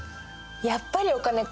やっぱりお金か！